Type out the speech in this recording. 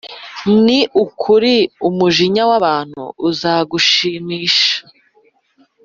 Ni ukuri umujinya w abantu uzagushimisha